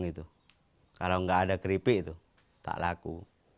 tak laku kalau tidak ada kripik tak laku